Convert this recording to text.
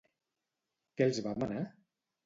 Què els va manar?